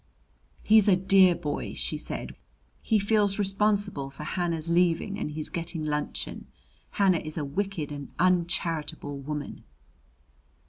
"He's a dear boy!" she said. "He feels responsible for Hannah's leaving and he's getting luncheon! Hannah is a wicked and uncharitable woman!"